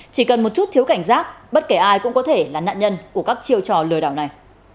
chỉ cần một chút thiếu cảnh giác bất kể ai cũng có thể là nạn nhân của các chiêu trò lừa đảo này